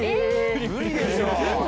無理でしょ。